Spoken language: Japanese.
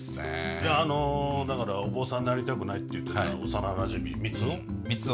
いやあのだからお坊さんになりたくないって言ってた幼なじみ三生？